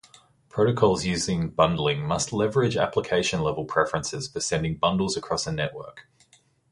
Protocols using bundling must leverage application-level preferences for sending bundles across a network.